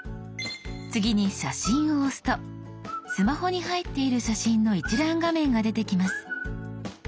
次に「写真」を押すとスマホに入っている写真の一覧画面が出てきます。